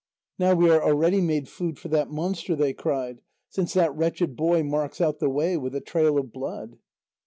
"Now we are already made food for that monster," they cried, "since that wretched boy marks out the way with a trail of blood."